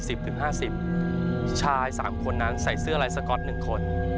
ถึงห้าสิบชายสามคนนั้นใส่เสื้อลายสก๊อตหนึ่งคน